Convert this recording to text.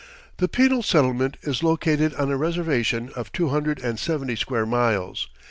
The penal settlement is located on a reservation of two hundred and seventy square miles.